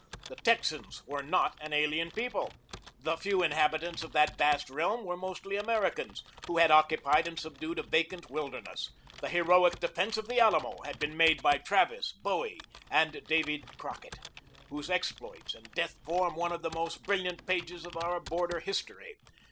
The Texans were not an alien people. The few inhabitants of that vast realm were mostly Americans, who had occupied and subdued a vacant wilderness. The heroic defense of the Alamo had been made by Travis, Bowie, and David Crockett, whose exploits and death form one of the most brilliant pages of our border history.